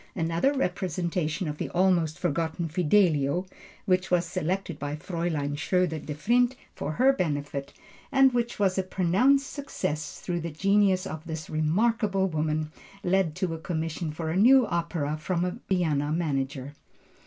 Another representation of the almost forgotten Fidelio, which was selected by Fräulein Schroeder Devrient for her benefit, and which was a pronounced success through the genius of this remarkable woman, led to a commission for a new opera from a Vienna manager.